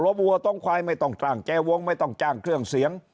วัวต้องควายไม่ต้องจ้างแจวงไม่ต้องจ้างเครื่องเสียง